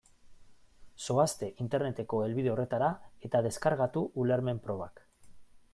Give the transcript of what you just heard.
Zoazte Interneteko helbide horretara eta deskargatu ulermen-probak.